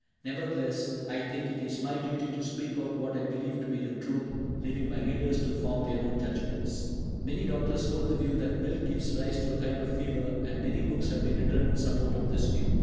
Nevertheless, I think it my duty to speak out what I believe to be the truth, leaving my readers to form their own judgments. Many doctors hold the view that milk gives rise to a kind of fever, and many books have been written in support of this view.